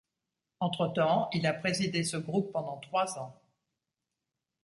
Entretemps, il a présidé ce groupe pendant trois ans.